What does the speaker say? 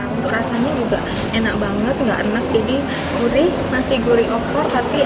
untuk rasanya enak banget enggak enak jadi gurih masih gurih opor